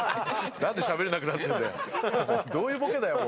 何でしゃべれなくなってんだ